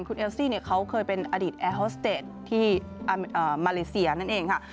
คุณเอลซี่เขาเคยเป็นอดีตแอร์ฮอสเตจที่มาเลเซียนั่นเองค่ะ